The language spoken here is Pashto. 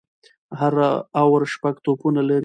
هر اوور شپږ توپونه لري.